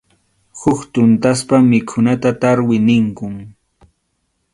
Huk tuntaspa mikhunata tarwi ninkum.